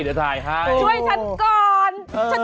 ช่วยฉันก่อน